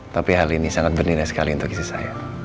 tapi hal ini sangat bernilai sekali untuk istri saya